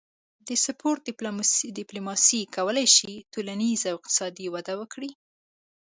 د سپورت ډیپلوماسي کولی شي ټولنیز او اقتصادي وده وکړي